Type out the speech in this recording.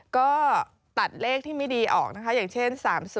ก็ตัดเลขที่ไม่ดีออกอย่างเช่น๓๐๐๐๔๔๓